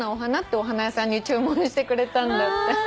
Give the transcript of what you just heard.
お花屋さんに注文してくれたんだって。